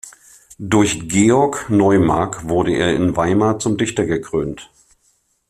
Durch Georg Neumark wurde er in Weimar zum Dichter gekrönt.